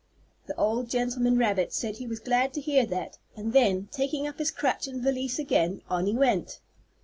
The old gentleman rabbit said he was glad to hear that, and then, taking up his crutch and valise again, on he went.